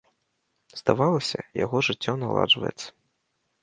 Здавалася, яго жыццё наладжваецца.